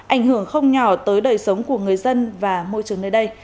ảnh hưởng không nhỏ tới đời sống của người dân và môi trường nơi đây